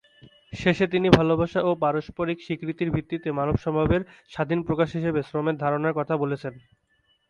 শেষে তিনি ভালোবাসা ও পারস্পরিক স্বীকৃতির ভিত্তিতে মানব স্বভাবের স্বাধীন প্রকাশ হিসেবে শ্রমের ধারণার কথা বলেছেন।